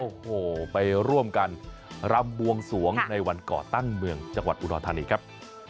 โอ้โหไปร่วมกันรำบวงสวงในวันก่อตั้งเมืองจังหวัดอุดรธานีครับ